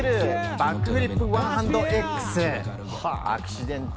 バックフリップワンハンドエックス。